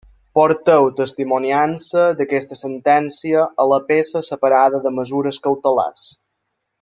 Porteu testimoniança d'aquesta sentència a la peça separada de mesures cautelars.